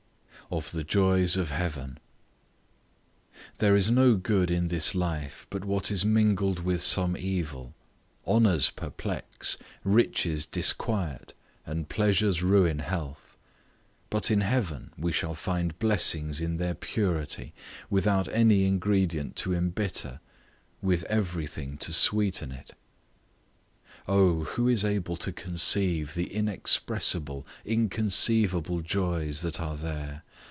OF THE JOYS OF HEAVEN. There is no good in this life but what is mingled with some evil: honours perplex, riches disquiet, and pleasures ruin health. But in heaven we shall find blessings in their purity, without any ingredient to imbitter; with everything to sweeten it. O! who is able to conceive the inexpressible, inconceivable joys that are there!